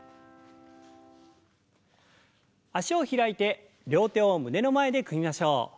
脚を開いて両手を胸の前で組みましょう。